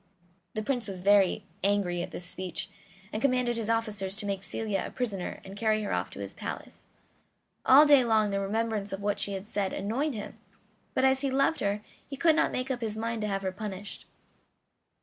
The Prince was very angry at this speech, and commanded his officers to make Celia a prisoner and carry her off to his palace. All day long the remembrance of what she had said annoyed him, but as he loved her he could not make up his mind to have her punished.